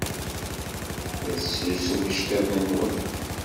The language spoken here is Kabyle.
La tettlusum iceḍḍiḍen-nwen.